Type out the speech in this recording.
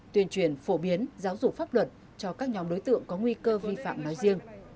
tuyên truyền phổ biến giáo dục pháp luật cho các nhóm đối tượng có nguy cơ vi phạm nói riêng